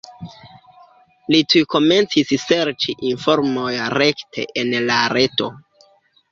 Li tuj komencis serĉi informojn rekte en la reto.